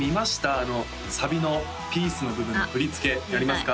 あのサビのピースの部分の振り付けやりますか？